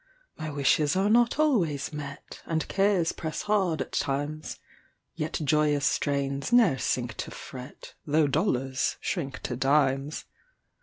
My wishes are not always met, And cares press hard at times; Yet joyous strains ne'er sink to fret, Tho' dollars shrink to dimes.